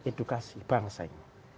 edukasi bangsa ini